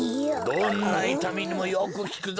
どんないたみにもよくきくぞ。